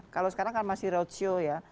kalau sekarang kan masih roadshow ya